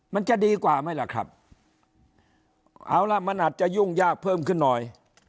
มันจะดีกว่าไหมล่ะครับเอาล่ะมันอาจจะยุ่งยากเพิ่มขึ้นหน่อย